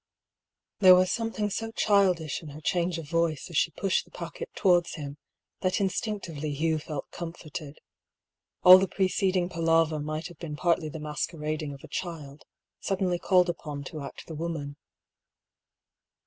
There was something so childish in her change of voice as she pushed the packet towards him, that in stinctively Hugh felt comforted. All the preceding palaver might have been partly the masquerading of a child, suddenly called upon to act the woman.